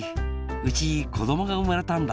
うちこどもがうまれたんだ。